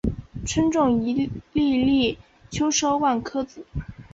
春种一粒粟，秋收万颗子。